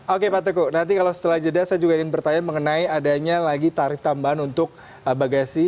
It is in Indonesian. oke pak teguh nanti kalau setelah jeda saya juga ingin bertanya mengenai adanya lagi tarif tambahan untuk bagasi